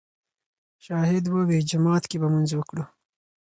شاهد ووې جومات کښې به مونځ وکړو